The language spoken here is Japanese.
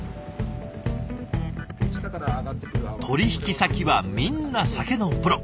取引先はみんな酒のプロ。